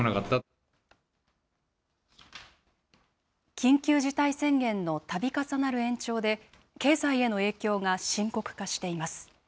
緊急事態宣言のたび重なる延長で、経済への影響が深刻化しています。